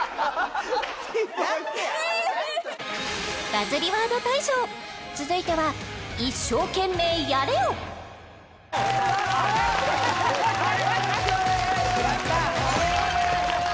バズりワード大賞続いてはよろしくお願いします